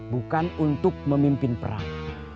bukan untuk memimpin perang